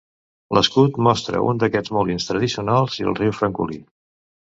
L'escut mostra un d'aquests molins tradicionals i el riu Francolí.